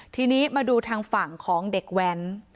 ทีนี้มาดูทางฝั่งของเด็กแว้น